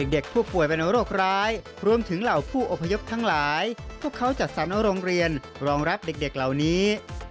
เด็กผู้ป่วยเป็นโรคร้ายรวมถึงเหล่าผู้อพยพทั้งหลายพวกเขาจัดสรรโรงเรียนรองรับเด็กเหล่านี้